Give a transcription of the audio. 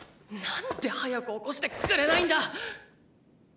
何で早く起こしてくれないんだ！！